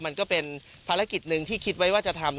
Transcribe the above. มันก็เป็นภารกิจหนึ่งที่คิดไว้ว่าจะทำ